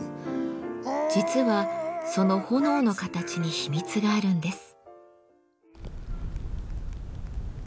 実はその炎の形に秘密があるんです。